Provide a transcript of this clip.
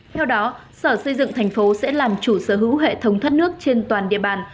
theo đó sở xây dựng thành phố sẽ làm chủ sở hữu hệ thống thoát nước trên toàn địa bàn